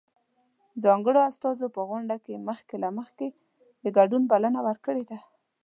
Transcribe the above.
ځانګړو استازو په غونډه کې مخکې له مخکې د ګډون بلنه ورکړې ده.